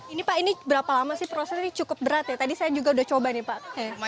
ini pak ini berapa lama sih prosesnya cukup berat ya tadi saya juga udah coba nih pak